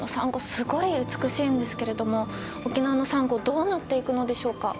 すごい美しいんですけれども沖縄のサンゴどうなっていくのでしょうか？